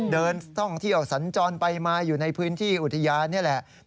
เดินท่องเที่ยวสัญจรไปมาอยู่ในพื้นที่อุทยานนี่แหละ